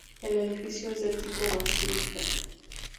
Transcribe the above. El edificio es de tipo basílica.